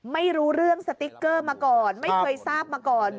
ไม่รู้เรื่องสติ๊กเกอร์มาก่อนไม่เคยทราบมาก่อน